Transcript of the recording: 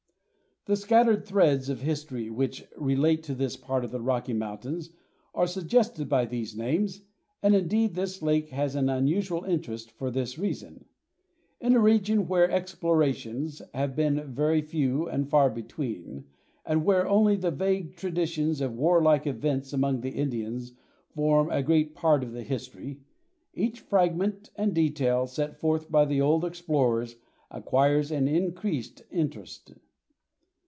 The scattered threads of history which relate to this part of the Rocky Mountains are suggested by these names and indeed this lake has an unusual interest for this reason. In a region where explorations have been very few and far between, and where only the vague traditions of warlike events among the Indians form a great part of the history, each fragment and detail set forth by the old explorers acquires an increased interest.